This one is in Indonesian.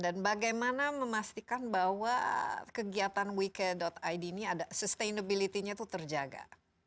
dan bagaimana memastikan bahwa kegiatan wecare id ini ada sustainability nya itu terjaga